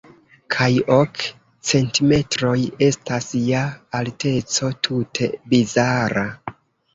Kaj ok centimetroj estas ja alteco tute bizara.